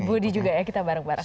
budi juga ya kita bareng bareng